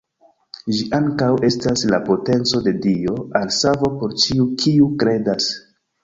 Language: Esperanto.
Ĝi ankaŭ estas la potenco de Dio al savo por ĉiu, kiu kredas.